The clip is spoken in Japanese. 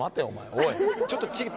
おい。